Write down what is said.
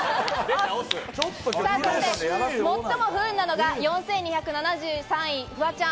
そして最も不運なのが４２７３位、フワちゃん。